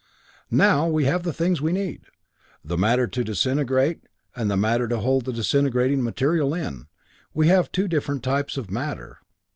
"Now we have the things we need, the matter to disintegrate, and the matter to hold the disintegrating material in. We have two different types of matter.